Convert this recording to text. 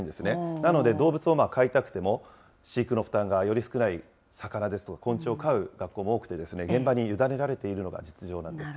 なので動物を飼いたくても飼育の負担がより少ない魚ですとか、昆虫を飼う学校も多くてですね、現場に委ねられているのが実情なんです。